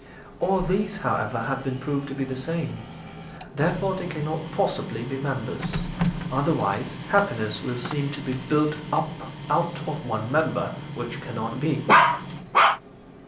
All these, however, have been proved to be the same; therefore they cannot possibly be members, otherwise happiness will seem to be built up out of one member, which cannot be.'